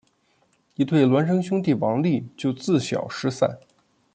一对孪生兄弟王利就自小失散。